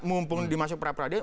mumpung dimasuk pra peradilan